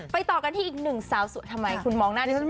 ต่อกันที่อีกหนึ่งสาวสวยทำไมคุณมองหน้าดิฉัน